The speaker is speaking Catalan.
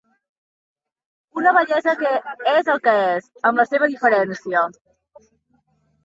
Una bellesa que és el que és, amb la seva diferència.